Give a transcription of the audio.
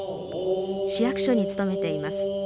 市役所に勤めています。